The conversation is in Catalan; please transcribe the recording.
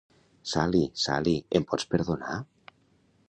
Sally, Sally, em pots perdonar?